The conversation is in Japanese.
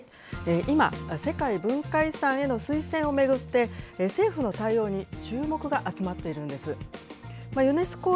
今、世界文化遺産への推薦を巡って、政府の対応に注目が集まっているんです。